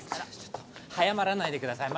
早まらないでください。